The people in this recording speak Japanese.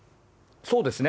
そうですね。